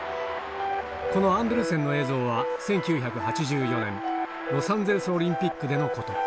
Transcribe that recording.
このアンデルセンの映像は、１９８４年、ロサンゼルスオリンピックでのこと。